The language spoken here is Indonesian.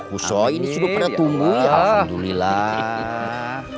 uso ini sudah pernah tumbuh ya alhamdulillah